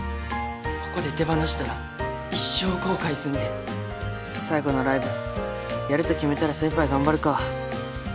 ここで手放したら一生後悔すんで最後のライブやると決めたら精一杯頑張るか